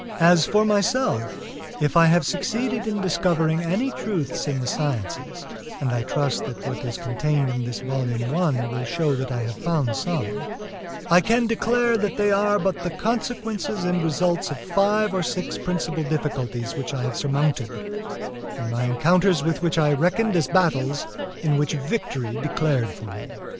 As for myself, if I have succeeded in discovering any truths in the sciences (and I trust that what is contained in this volume I will show that I have found some), I can declare that they are but the consequences and results of five or six principal difficulties which I have surmounted, and my encounters with which I reckoned as battles in which victory declared for me.